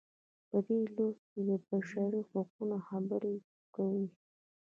په دې لوست کې د بشري حقونو خبرې کوو.